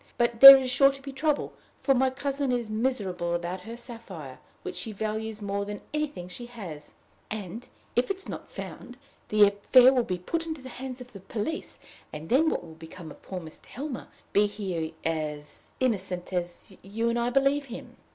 But there is sure to be trouble; for my cousin is miserable about her sapphire, which she values more than anything she has; and, if it is not found, the affair will be put into the hands of the police, and then what will become of poor Mr. Helmer, be he as innocent as you and I believe him!